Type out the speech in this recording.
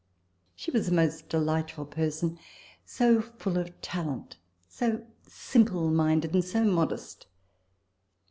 She was a most delightful person so full of talent, so simple minded, and so modest